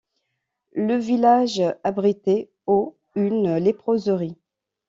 Le village abritait au une léproserie.